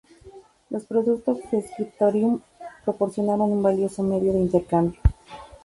Los productos del "scriptorium" proporcionaron un valioso medio de intercambio.